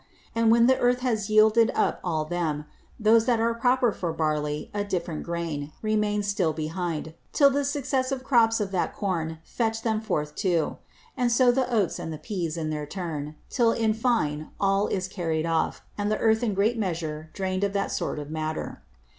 And when the Earth has yielded up all them, those that are proper for Barley, a different Grain, remain still behind, till the successive Crops of that Corn fetch them forth too. And so the Oats and Pease, in their Turn; till in fine all is carried off, and the Earth in great measure drain'd of that sort of Matter.